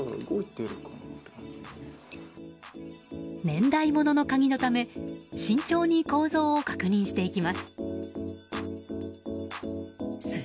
年代物の鍵のため慎重に構造を確認していきます。